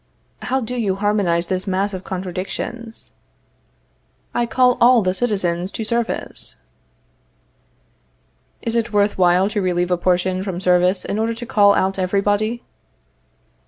How do you harmonize this mass of contradictions? I call all the citizens to service. Is it worth while to relieve a portion from service in order to call out everybody?